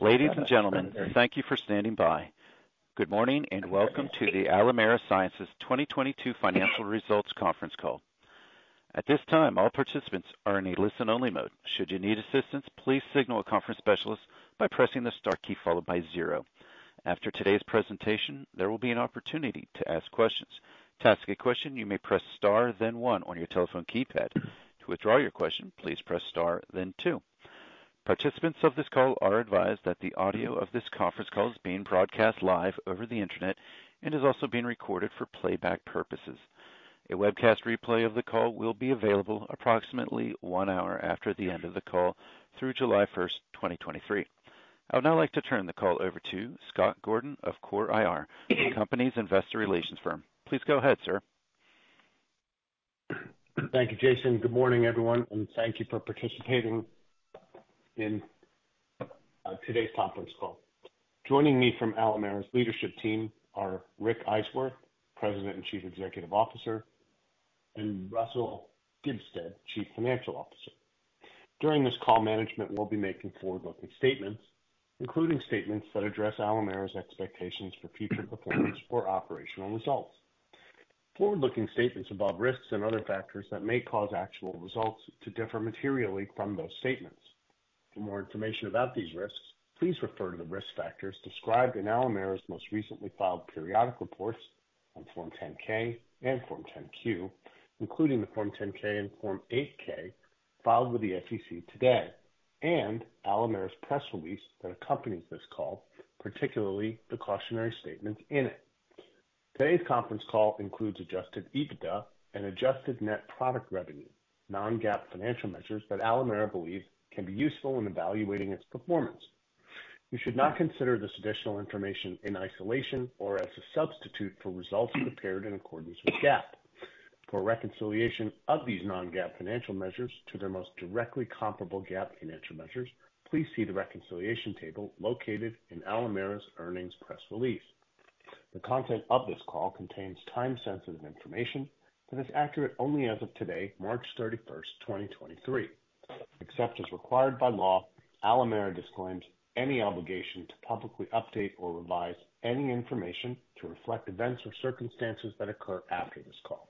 Ladies and gentlemen, thank you for standing by. Good morning, and welcome to the Alimera Sciences 2022 financial results conference call. At this time, all participants are in a listen-only mode. Should you need assistance, please signal a conference specialist by pressing the star key followed by zero. After today's presentation, there will be an opportunity to ask questions. To ask a question, you may press star then one on your telephone keypad. To withdraw your question, please press star then two. Participants of this call are advised that the audio of this conference call is being broadcast live over the Internet and is also being recorded for playback purposes. A webcast replay of the call will be available approximately one hour after the end of the call through July 1, 2023. I would now like to turn the call over to Scott Gordon of CORE IR, the company's investor relations firm. Please go ahead, sir. Thank you, Jason. Good morning, everyone, and thank you for participating in today's conference call. Joining me from Alimera's leadership team are Rick Eiswirth, President and Chief Executive Officer, and Russell Skibsted, Chief Financial Officer. During this call, management will be making forward-looking statements, including statements that address Alimera's expectations for future performance or operational results. Forward-looking statements involve risks and other factors that may cause actual results to differ materially from those statements. For more information about these risks, please refer to the risk factors described in Alimera's most recently filed periodic reports on Form 10-K and Form 10-Q, including the Form 10-K and Form 8-K filed with the SEC today, and Alimera's press release that accompanies this call, particularly the cautionary statements in it. Today's conference call includes Adjusted EBITDA and adjusted net product revenue, non-GAAP financial measures that Alimera believes can be useful in evaluating its performance. You should not consider this additional information in isolation or as a substitute for results prepared in accordance with GAAP. For a reconciliation of these non-GAAP financial measures to their most directly comparable GAAP financial measures, please see the reconciliation table located in Alimera's earnings press release. The content of this call contains time-sensitive information that is accurate only as of today, March 31, 2023. Except as required by law, Alimera disclaims any obligation to publicly update or revise any information to reflect events or circumstances that occur after this call.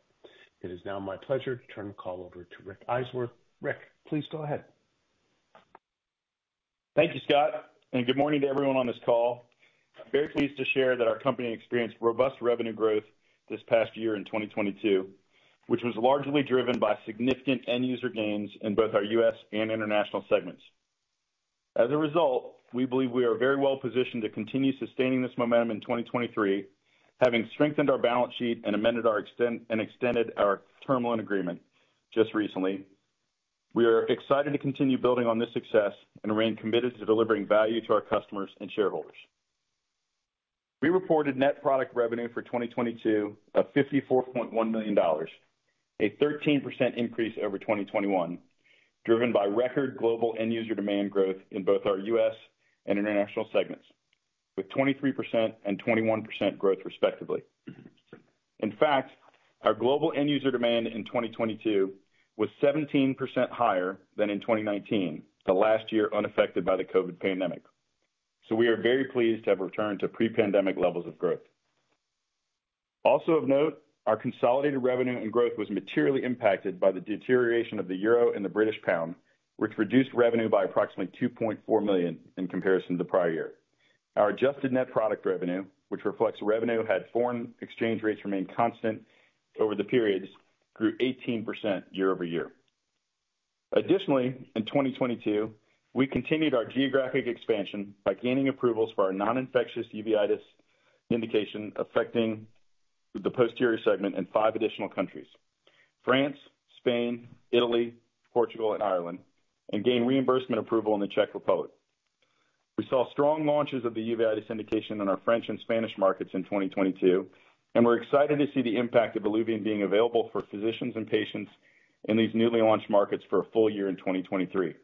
It is now my pleasure to turn the call over to Rick Eiswirth. Rick, please go ahead. Thank you, Scott. Good morning to everyone on this call. I'm very pleased to share that our company experienced robust revenue growth this past year in 2022, which was largely driven by significant end user gains in both our U.S. and international segments. As a result, we believe we are very well positioned to continue sustaining this momentum in 2023, having strengthened our balance sheet and extended our term loan agreement just recently. We are excited to continue building on this success and remain committed to delivering value to our customers and shareholders. We reported net product revenue for 2022 of $54.1 million, a 13% increase over 2021, driven by record global end user demand growth in both our U.S. and international segments, with 23% and 21% growth, respectively. In fact, our global end user demand in 2022 was 17% higher than in 2019, the last year unaffected by the COVID pandemic. We are very pleased to have returned to pre-pandemic levels of growth. Of note, our consolidated revenue and growth was materially impacted by the deterioration of the euro and the British pound, which reduced revenue by approximately $2.4 million in comparison to the prior year. Our adjusted net product revenue, which reflects revenue had foreign exchange rates remained constant over the periods, grew 18% year-over-year. In 2022, we continued our geographic expansion by gaining approvals for our non-infectious uveitis indication affecting the posterior segment in five additional countries, France, Spain, Italy, Portugal, and Ireland, and gained reimbursement approval in the Czech Republic. We saw strong launches of the uveitis indication in our French and Spanish markets in 2022. We're excited to see the impact of ILUVIEN being available for physicians and patients in these newly launched markets for a full year in 2023.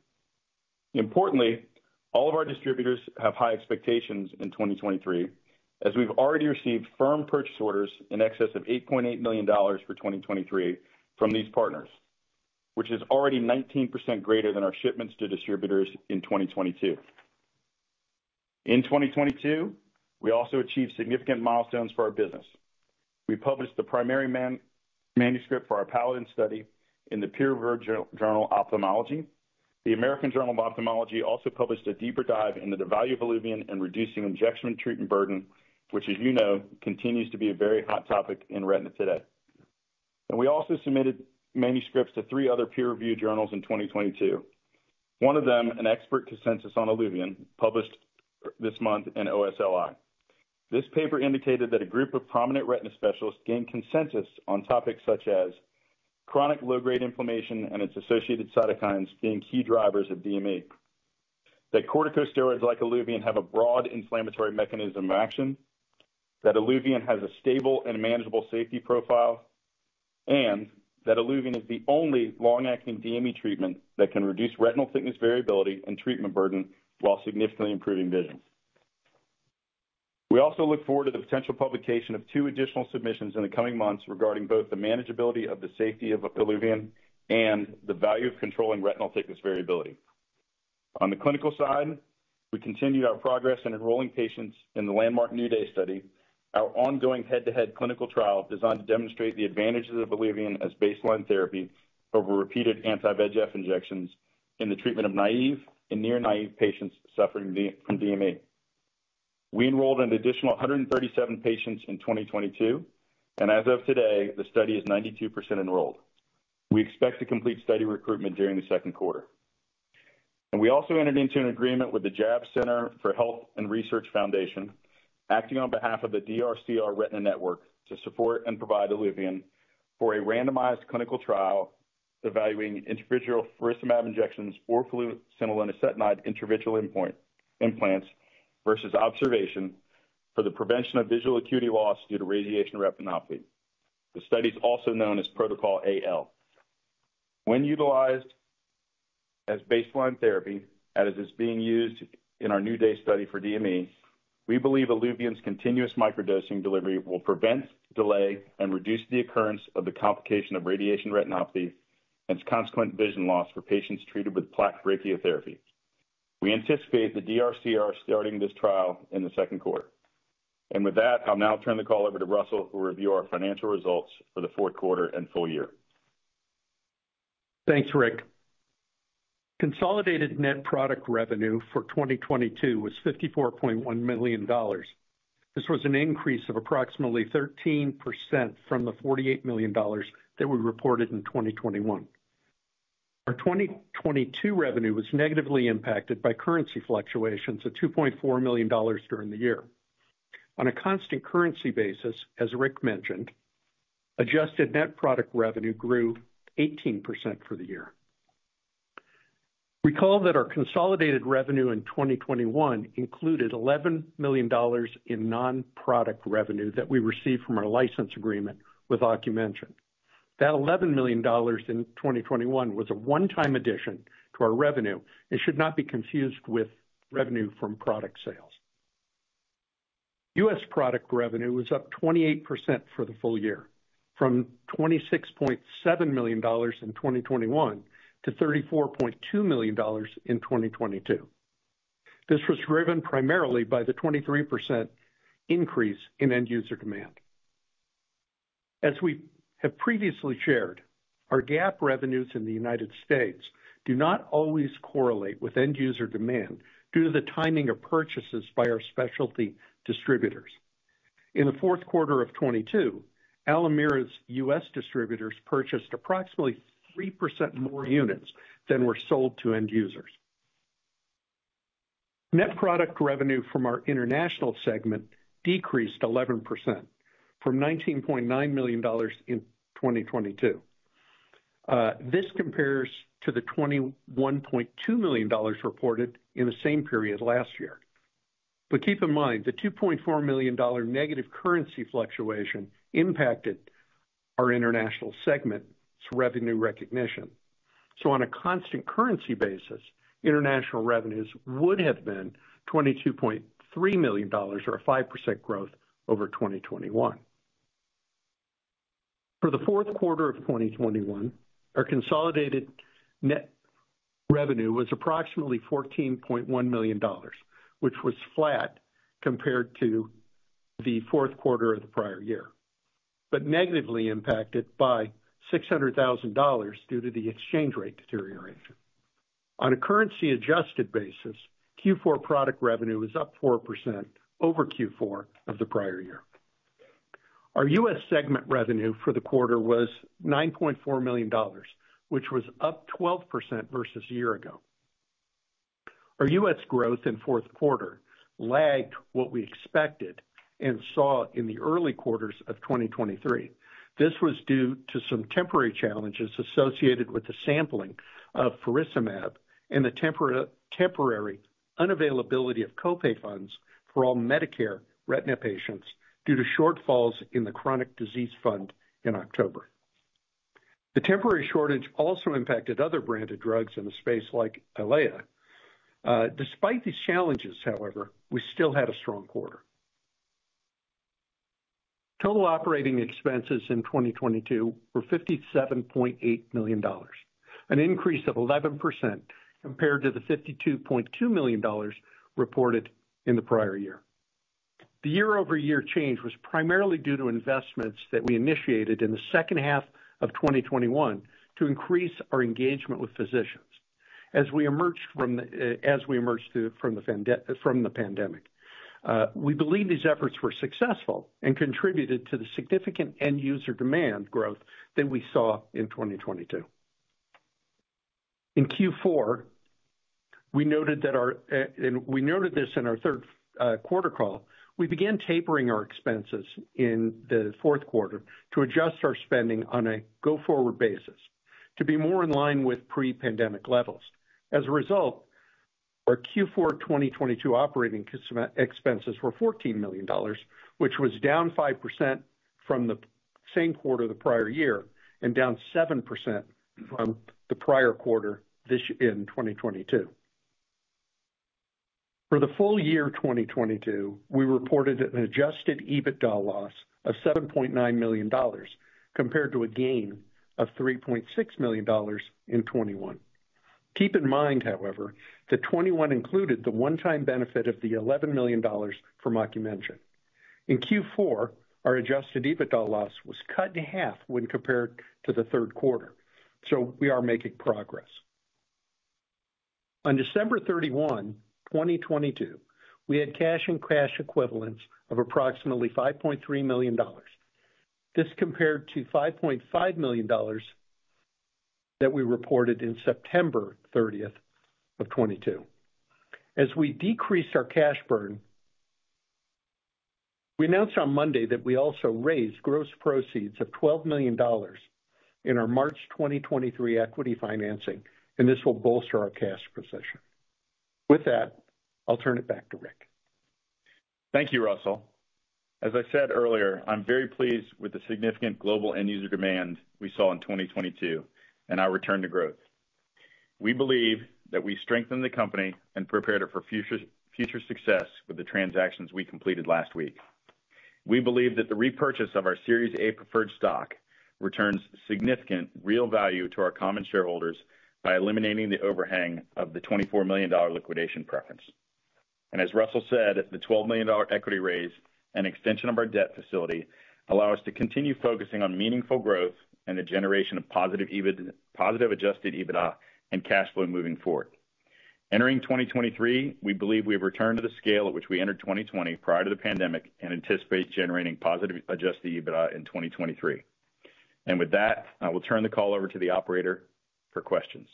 Importantly, all of our distributors have high expectations in 2023, as we've already received firm purchase orders in excess of $8.8 million for 2023 from these partners, which is already 19% greater than our shipments to distributors in 2022. In 2022, we also achieved significant milestones for our business. We published the primary manuscript for our PALADIN study in the peer-reviewed journal, Ophthalmology. The American Journal of Ophthalmology also published a deeper dive into the value of ILUVIEN in reducing injection treatment burden, which, as you know, continues to be a very hot topic in retina today. We also submitted manuscripts to three other peer-reviewed journals in 2022. One of them, an expert consensus on ILUVIEN, published this month in OSLI. This paper indicated that a group of prominent retina specialists gained consensus on topics such as chronic low-grade inflammation and its associated cytokines being key drivers of DME. That corticosteroids like ILUVIEN have a broad inflammatory mechanism of action. That ILUVIEN has a stable and manageable safety profile, and that ILUVIEN is the only long-acting DME treatment that can reduce retinal thickness, variability, and treatment burden while significantly improving vision. We also look forward to the potential publication of two additional submissions in the coming months regarding both the manageability of the safety of ILUVIEN and the value of controlling retinal thickness variability. On the clinical side, we continued our progress in enrolling patients in the landmark NEWDAY study, our ongoing head-to-head clinical trial designed to demonstrate the advantages of ILUVIEN as baseline therapy over repeated anti-VEGF injections in the treatment of naive and near-naive patients suffering from DME. We enrolled an additional 137 patients in 2022, and as of today, the study is 92% enrolled. We expect to complete study recruitment during the second quarter. We also entered into an agreement with the Jaeb Center for Health Research Foundation, acting on behalf of the DRCR Retina Network, to support and provide ILUVIEN for a randomized clinical trial evaluating intravitreal faricimab injections or fluocinolone acetonide intravitreal implants versus observation for the prevention of visual acuity loss due to radiation retinopathy. The study is also known as Protocol AL. When utilized as baseline therapy, as is being used in our NEWDAY study for DME, we believe ILUVIEN's continuous microdosing delivery will prevent, delay, and reduce the occurrence of the complication of radiation retinopathy and its consequent vision loss for patients treated with plaque brachytherapy. We anticipate the DRCR starting this trial in the second quarter. With that, I'll now turn the call over to Russell, who will review our financial results for the fourth quarter and full year. Thanks, Rick. Consolidated net product revenue for 2022 was $54.1 million. This was an increase of approximately 13% from the $48 million that were reported in 2021. Our 2022 revenue was negatively impacted by currency fluctuations of $2.4 million during the year. On a constant currency basis, as Rick mentioned, adjusted net product revenue grew 18% for the year. Recall that our consolidated revenue in 2021 included $11 million in non-product revenue that we received from our license agreement with Ocumension. That $11 million in 2021 was a one-time addition to our revenue and should not be confused with revenue from product sales. U.S. product revenue was up 28% for the full year from $26.7 million in 2021 to $34.2 million in 2022. This was driven primarily by the 23% increase in end-user demand. As we have previously shared, our GAAP revenues in the United States do not always correlate with end-user demand due to the timing of purchases by our specialty distributors. In the fourth quarter of 2022, Alimera's U.S. distributors purchased approximately 3% more units than were sold to end users. Net product revenue from our international segment decreased 11% from $19.9 million in 2022. This compares to the $21.2 million reported in the same period last year. Keep in mind that the $2.4 million negative currency fluctuation impacted our international segment's revenue recognition. On a constant currency basis, international revenues would have been $22.3 million or a 5% growth over 2021. For the fourth quarter of 2021, our consolidated net revenue was approximately $14.1 million, which was flat compared to the fourth quarter of the prior year, negatively impacted by $600,000 due to the exchange rate deterioration. On a currency-adjusted basis, Q4 product revenue was up 4% over Q4 of the prior year. Our U.S. segment revenue for the quarter was $9.4 million, which was up 12% versus a year ago. Our U.S. growth in fourth quarter lagged what we expected and saw in the early quarters of 2023. This was due to some temporary challenges associated with the sampling of faricimab and the temporary unavailability of co-pay funds for all Medicare retina patients due to shortfalls in the Chronic Disease Fund in October. The temporary shortage also impacted other branded drugs in the space, like EYLEA. Despite these challenges, however, we still had a strong quarter. Total operating expenses in 2022 were $57.8 million, an increase of 11% compared to the $52.2 million reported in the prior year. The year-over-year change was primarily due to investments that we initiated in the second half of 2021 to increase our engagement with physicians as we emerged through from the pandemic. We believe these efforts were successful and contributed to the significant end-user demand growth that we saw in 2022. In Q4, we noted that our, and we noted this in our third quarter call. We began tapering our expenses in the fourth quarter to adjust our spending on a go-forward basis to be more in line with pre-pandemic levels. As a result, our Q4 2022 operating expenses were $14 million, which was down 5% from the same quarter the prior year, and down 7% from the prior quarter this year in 2022. For the full year 2022, we reported an Adjusted EBITDA loss of $7.9 million, compared to a gain of $3.6 million in 2021. Keep in mind, however, that 2021 included the one-time benefit of the $11 million from Ocumension. In Q4, our Adjusted EBITDA loss was cut in half when compared to the third quarter. We are making progress. On December 31, 2022, we had cash and cash equivalents of approximately $5.3 million. This compares to $5.5 million that we reported on September 30, 2022. As we decreased our cash burn, we announced on Monday that we also raised gross proceeds of $12 million in our March 2023 equity financing. This will bolster our cash position. With that, I'll turn it back to Rick. Thank you, Russell. As I said earlier, I'm very pleased with the significant global end-user demand we saw in 2022 and our return to growth. We believe that we strengthened the company and prepared it for future success with the transactions we completed last week. We believe that the repurchase of our Series A Preferred Stock returns significant real value to our common shareholders by eliminating the overhang of the $24 million liquidation preference. As Russell said, the $12 million equity raise and extension of our debt facility allow us to continue focusing on meaningful growth and the generation of positive Adjusted EBITDA and cash flow moving forward. Entering 2023, we believe we have returned to the scale at which we entered 2020, prior to the pandemic, and anticipate generating positive Adjusted EBITDA in 2023. With that, I will turn the call over to the operator for questions.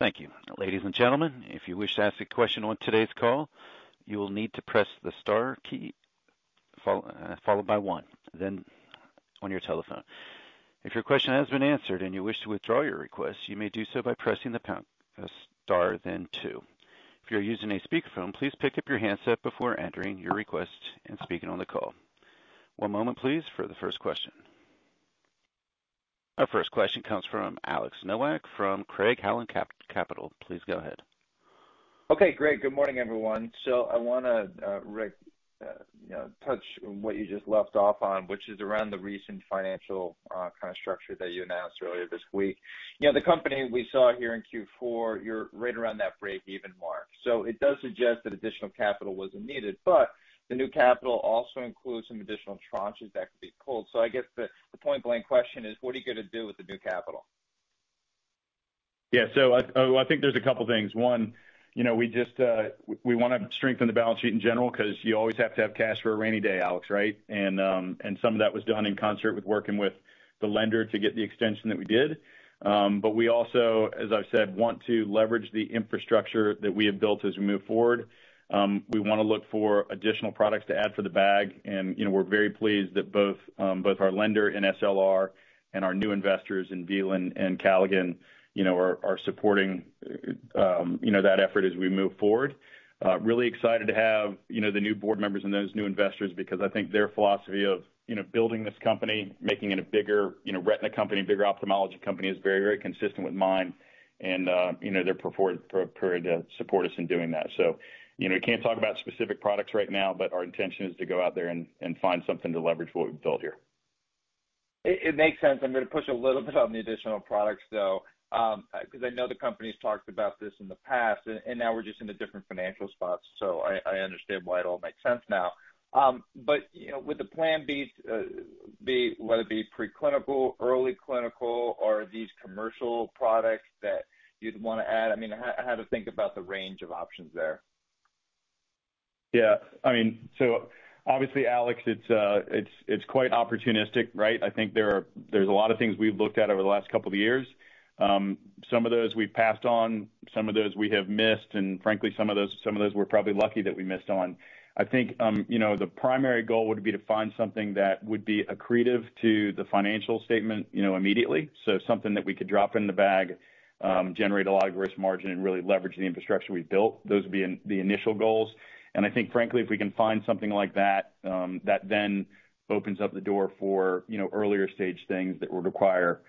Thank you. Ladies and gentlemen, if you wish to ask a question on today's call, you will need to press the star key followed by one then on your telephone. If your question has been answered and you wish to withdraw your request, you may do so by pressing the star then two. If you're using a speakerphone, please pick up your handset before entering your request and speaking on the call. One moment, please for the first question. Our first question comes from Alex Nowak from Craig-Hallum Capital. Please go ahead. Okay, great. Good morning, everyone. I wanna, Rick, you know, touch on what you just left off on, which is around the recent financial, kind of structure that you announced earlier this week. You know, the company we saw here in Q4, you're right around that breakeven mark. It does suggest that additional capital wasn't needed, but the new capital also includes some additional tranches that could be pulled. I guess the point-blank question is, what are you gonna do with the new capital? I think there are a couple of things. One, you know, we just wanna strengthen the balance sheet in general, 'cause you always have to have cash for a rainy day, Alex, right? Some of that was done in concert with working with the lender to get the extension that we did. We also, as I've said, want to leverage the infrastructure that we have built as we move forward. We wanna look for additional products to add to the bag. You know, we're very pleased that both our lender in SLR and our new investors in Velan and Caligan, you know, are supporting, you know, that effort as we move forward. Really excited to have, you know, the new board members and those new investors because I think their philosophy of, you know, building this company, making it a bigger, you know, retina company, bigger ophthalmology company is very, very consistent with mine. They're prepared to support us in doing that. Can't talk about specific products right now, but our intention is to go out there and find something to leverage what we've built here. It makes sense. I'm gonna push a little bit on the additional products, though, 'cause I know the company's talked about this in the past and now we're just in a different financial spot, so I understand why it all makes sense now. You know, would the plan be, whether it be preclinical, early clinical, or are these commercial products that you'd wanna add? I mean, how to think about the range of options there. Yeah. I mean, obviously, Alex, it's quite opportunistic, right? I think there's a lot of things we've looked at over the last couple of years. Some of those we've passed on, some of those we have missed, and frankly, some of those we're probably lucky that we missed on. I think, you know, the primary goal would be to find something that would be accretive to the financial statement, you know, immediately. Something that we could drop in the bag, generate a lot of gross margin, and really leverage the infrastructure we've built. Those would be the initial goals. I think frankly, if we can find something like that then opens up the door for, you know, earlier stage things that would require,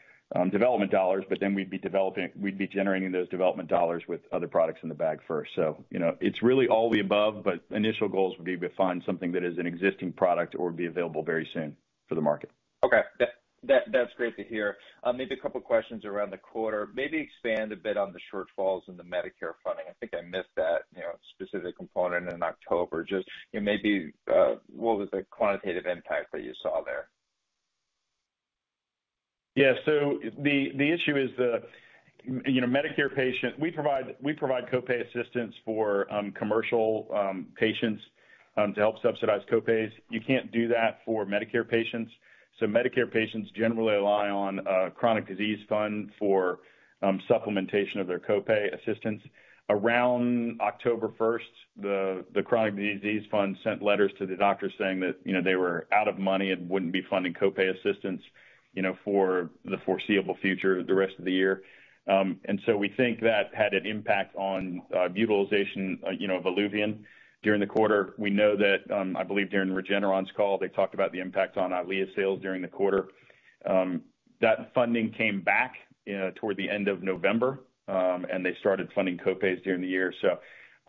development dollars, but then we'd be generating those development dollars with other products in the bag first. You know, it's really all the above, but initial goals would be to find something that is an existing product or would be available very soon for the market. Okay. That's great to hear. Maybe a couple questions around the quarter. Maybe expand a bit on the shortfalls in the Medicare funding. I think I missed that, you know, specific component in October. Just, you know, maybe, what was the quantitative impact that you saw there? The issue is the, you know, Medicare patient, we provide co-pay assistance for commercial patients to help subsidize co-pays. You can't do that for Medicare patients. Medicare patients generally rely on Chronic Disease Fund for supplementation of their copay assistance. Around October 1, the Chronic Disease Fund sent letters to the doctors saying that, you know, they were out of money and wouldn't be funding copay assistance, you know, for the foreseeable future, the rest of the year. We think that had an impact on utilization, you know, of ILUVIEN during the quarter. We know that, I believe during Regeneron's call, they talked about the impact on EYLEA sales during the quarter. That funding came back, you know, toward the end of November, they started funding copays during the year.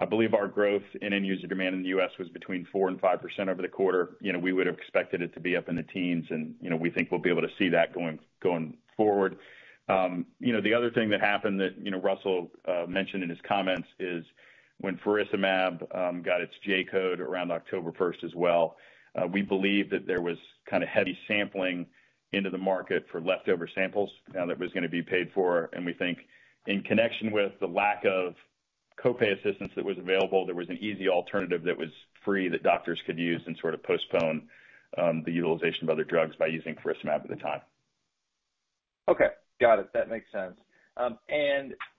I believe our growth in end user demand in the U.S. was between 4% and 5% over the quarter. You know, we would have expected it to be up in the teens and, you know, we think we'll be able to see that going forward. You know, the other thing that happened that, you know, Russell mentioned in his comments is when faricimab got its J-code around October first as well, we believe that there was kind of heavy sampling into the market for leftover samples, now that was gonna be paid for. We think in connection with the lack of co-pay assistance that was available, there was an easy alternative that was free that doctors could use and sort of postpone the utilization of other drugs by using faricimab at the time. Okay. Got it. That makes sense.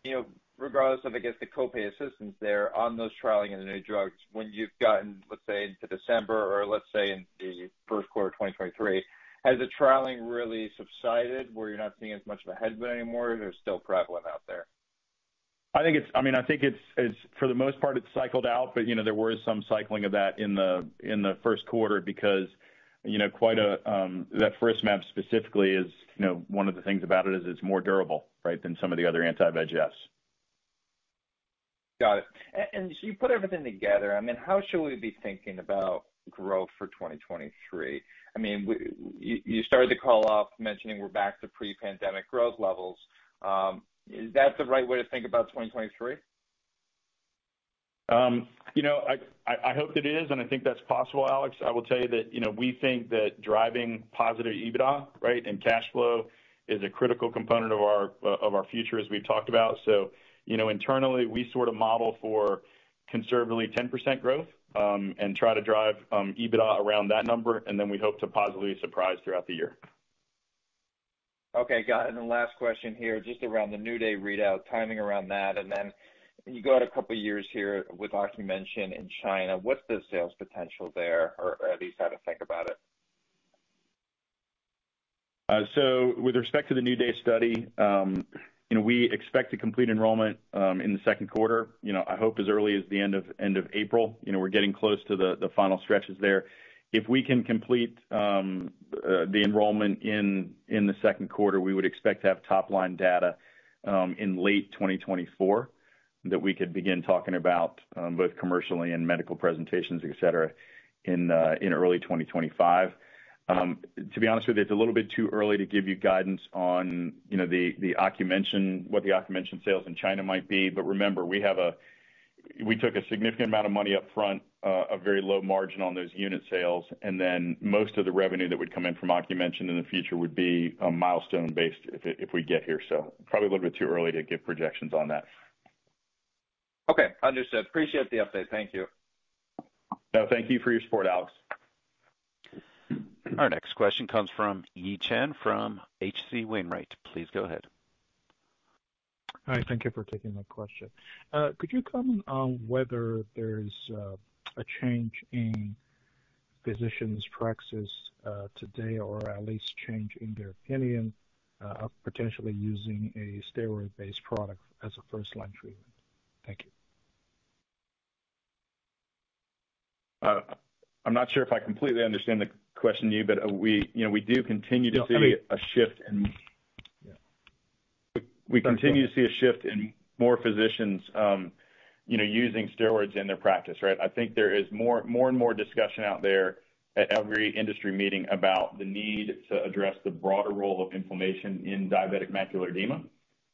you know, regardless of, I guess, the copay assistance there on those trialing in the new drugs, when you've gotten, let say, into December or let's say in the first quarter of 2023, has the trialing really subsided, where you're not seeing as much of a headwind anymore, or they're still prevalent out there? I think it's, I mean, I think it's for the most part, it's cycled out. You know, there was some cycling of that in the first quarter because, you know. That faricimab specifically is, you know, one of the things about it is it's more durable, right, than some of the other anti-VEGFs. Got it. You put everything together. I mean, how should we be thinking about growth for 2023? I mean, you started the call off mentioning we're back to pre-pandemic growth levels. Is that the right way to think about 2023? You know, I hope it is, and I think that's possible, Alex. I will tell you that, you know, we think that driving positive EBITDA, right, and cash flow is a critical component of our future, as we've talked about. you know, internally, we sort of model for conservatively 10% growth, and try to drive EBITDA around that number. we hope to positively surprise throughout the year. Okay, got it. Last question here, just around the NEWDAY readout, timing around that. You go out a couple years here with Ocumension in China. What's the sales potential there, or at least how to think about it? With respect to the NEWDAY study, you know, we expect to complete enrollment in the second quarter, you know, I hope as early as the end of April. You know, we're getting close to the final stretches there. If we can complete the enrollment in the second quarter, we would expect to have top-line data in late 2024 that we could begin talking about both commercially and medical presentations, et cetera, in early 2025. To be honest with you, it's a little bit too early to give you guidance on, you know, the Ocumension, what the Ocumension sales in China might be. Remember, we took a significant amount of money up front, a very low margin on those unit sales, and then most of the revenue that would come in from Ocumension in the future would be, milestone-based if we get here. Probably a little bit too early to give projections on that. Okay. Understood. Appreciate the update. Thank you. No, thank you for your support, Alex. Our next question comes from Yi Chen from H.C. Wainwright. Please go ahead. Hi. Thank you for taking my question. Could you comment on whether there's a change in physicians' practices today, or at least change in their opinion of potentially using a steroid-based product as a first-line treatment? Thank you. I'm not sure if I completely understand the question, Yi, but we, you know, we do continue to see. No, I mean. -a shift in... Yeah. We continue to see a shift in more physicians, you know, using steroids in their practice, right? I think there is more and more discussion out there at every industry meeting about the need to address the broader role of inflammation in diabetic macular edema.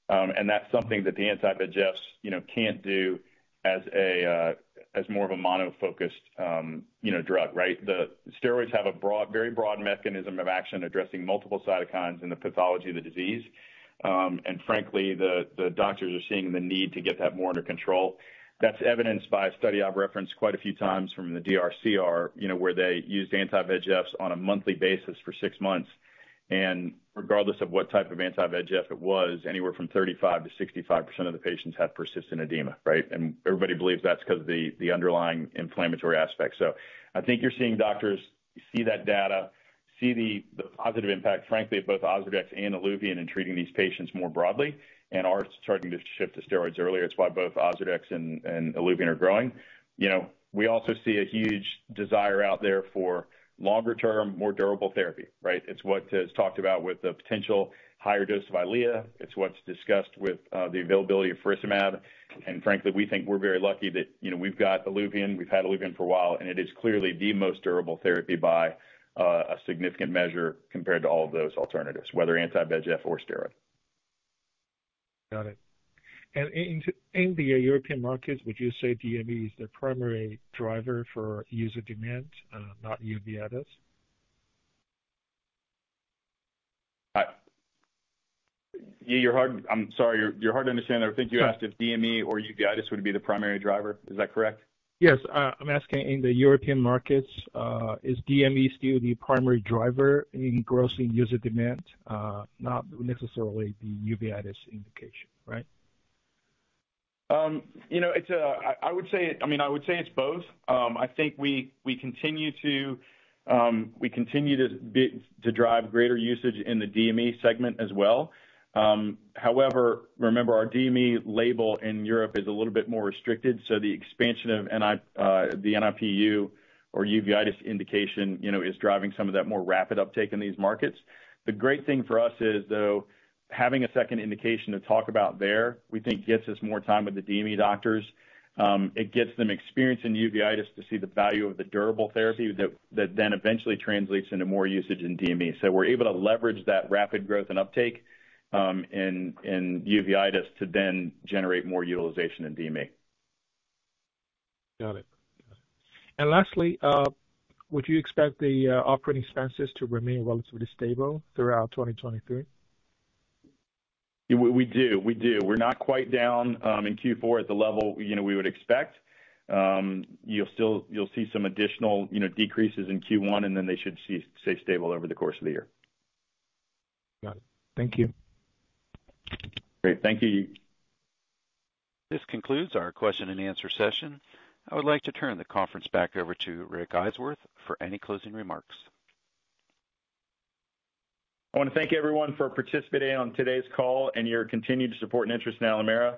That's something that the anti-VEGFs, you know, can't do as more of a mono-focused, you know, drug, right? The steroids have a very broad mechanism of action, addressing multiple cytokines in the pathology of the disease. Frankly, the doctors are seeing the need to get that more under control. That's evidenced by a study I've referenced quite a few times from the DRCR, you know, where they used anti-VEGFs on a monthly basis for six months. Regardless of what type of anti-VEGF it was, anywhere from 35%-65% of the patients had persistent edema, right? Everybody believes that's 'cause of the underlying inflammatory aspect. I think you're seeing doctors see that data, see the positive impact, frankly, of both OZURDEX and ILUVIEN in treating these patients more broadly and are starting to shift to steroids earlier. It's why both OZURDEX and ILUVIEN are growing. You know, we also see a huge desire out there for longer-term, more durable therapy, right? It's what is talked about with the potential higher dose of EYLEA. It's what's discussed with the availability of faricimab. Frankly, we think we're very lucky that, you know, we've got ILUVIEN, we've had ILUVIEN for a while, and it is clearly the most durable therapy by a significant measure compared to all of those alternatives, whether anti-VEGF or steroid. Got it. In the European markets, would you say DME is the primary driver for user demand, not uveitis? I'm sorry, you're hard to understand there. I think you asked if DME or uveitis would be the primary driver. Is that correct? Yes. I'm asking in the European markets, is DME still the primary driver in gross user demand? Not necessarily the uveitis indication, right? It's both. I think we continue to drive greater usage in the DME segment as well. Remember our DME label in Europe is a little bit more restricted, the expansion of the NIPU or uveitis indication is driving some of that more rapid uptake in these markets. The great thing for us is, though, having a second indication to talk about there, we think gets us more time with the DME doctors. It gets them experience in uveitis to see the value of the durable therapy that then eventually translates into more usage in DME. We're able to leverage that rapid growth and uptake in uveitis to then generate more utilization in DME. Lastly, would you expect the operating expenses to remain relatively stable throughout 2023? We do. We're not quite down in Q4 at the level, you know, we would expect. You'll still, you'll see some additional, you know, decreases in Q1, and then they should see stay stable over the course of the year. Got it. Thank you. Great. Thank you, Yi. This concludes our question-and-answer session. I would like to turn the conference back over to Rick Eiswirth for any closing remarks. I wanna thank everyone for participating on today's call and your continued support and interest in Alimera.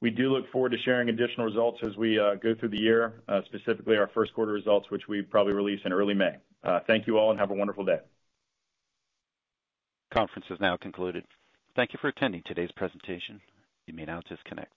We do look forward to sharing additional results as we go through the year, specifically our first quarter results, which we'll probably release in early May. Thank you all, and have a wonderful day. Conference is now concluded. Thank you for attending today's presentation. You may now disconnect.